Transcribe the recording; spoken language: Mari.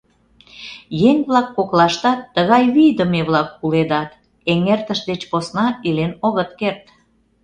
Еҥ-влак коклаштат тыгай вийдыме-влак уледат, эҥертыш деч посна илен огыт керт.